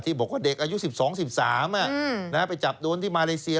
บอกว่าเด็กอายุ๑๒๑๓ไปจับโดนที่มาเลเซีย